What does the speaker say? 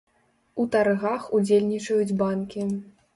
У таргах удзельнічаюць банкі.